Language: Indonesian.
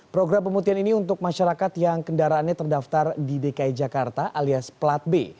program pemutihan ini untuk masyarakat yang kendaraannya terdaftar di dki jakarta alias plat b